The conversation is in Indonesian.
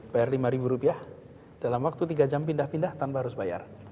bayar rp lima dalam waktu tiga jam pindah pindah tanpa harus bayar